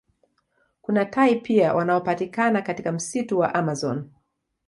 Kuna tai pia wanaopatikana katika msitu wa amazon